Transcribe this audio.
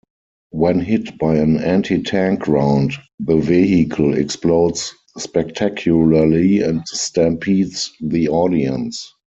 When hit by an anti-tank round, the vehicle explodes spectacularly and stampedes the audience.